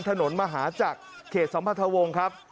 ถนนมหาจักรเขตสัมพันธวงศ์ครับ